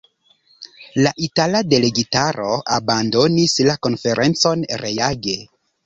La itala delegitaro abandonis la konferencon reage.